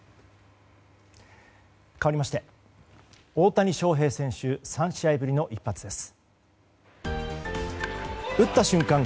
かわりまして大谷翔平選手が３試合ぶりの一発です。